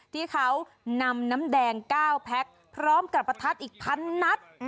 ที่เขานำน้ำแดง๙แพ็คพร้อมกับประทัดอีกพันนัด